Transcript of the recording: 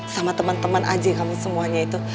sama temen temen aja kamu semuanya itu